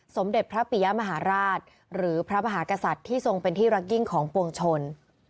สมเด็จพระปิยมหาราชหรือพระมหากษัตริย์ที่ทรงเป็นที่รักยิ่งของปวงชน